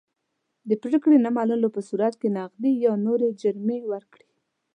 د پرېکړې نه منلو په صورت کې نغدي یا نورې جریمې ورکوي.